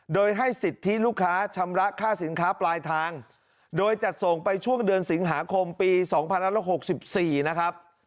โดยให้สิทธิลูกค้าชำระค่าสินค้าปลายทางโดยจัดส่งไปช่วงเดือนสิงหาคมปี๒๑๖๔นะครับ